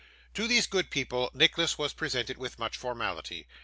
To these good people Nicholas was presented with much formality.